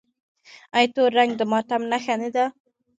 آیا تور رنګ د ماتم نښه نه ده؟